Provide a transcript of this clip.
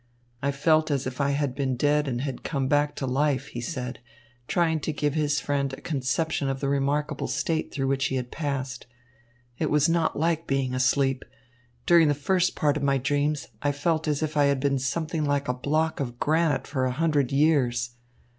"I felt as if I had been dead and had come back to life," he said, trying to give his friend a conception of the remarkable state through which he had passed. "It was not like being asleep. During the first part of my dreams, I felt as if I had been something like a block of granite for hundreds of years.